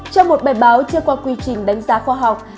trong một bài báo chưa qua quy trình đánh giá khoa học